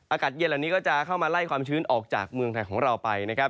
อากาศเย็นเหล่านี้ก็จะเข้ามาไล่ความชื้นออกจากเมืองไทยของเราไปนะครับ